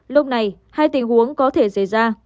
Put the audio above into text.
lúc này hai tình huống có thể xảy ra